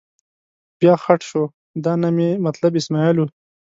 بیا خټ شو، دا نه مې مطلب اسمعیل و.